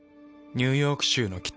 ニューヨーク州の北。